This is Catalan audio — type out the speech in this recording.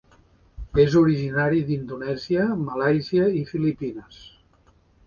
És originari d'Indonèsia, Malàisia i Filipines.